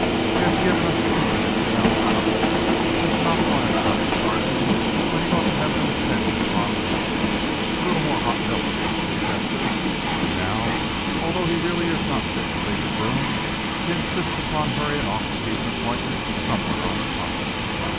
He has given us an infinite amount of trouble, has monopolised Doctor Sarson when he ought to have been attending upon me a little more hot milk, if you please, Esther and now, although he really is not fit to leave his room, he insists upon hurrying off to keep an appointment somewhere on the Continent.